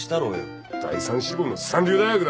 第３志望の三流大学だろ。